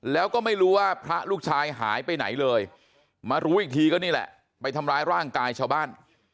แล้วก็ไม่รู้ว่าพระลูกชายหายไปไหนเลยมารู้อีกทีก็นี่แหละไปทำร้ายร่างกายชาวบ้าน